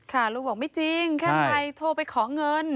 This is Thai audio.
ค่ะลูกบอกไม่จริงแค่ใครโทรไปของเงิน